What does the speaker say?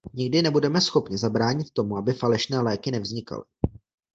Nikdy nebudeme schopni zabránit tomu, aby falešné léky nevznikaly.